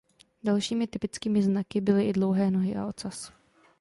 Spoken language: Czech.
Dalšími typickými znaky byly i dlouhé nohy a ocas.